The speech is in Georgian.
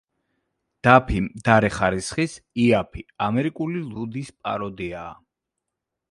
დაფი მდარე ხარისხის, იაფი, ამერიკული ლუდის პაროდიაა.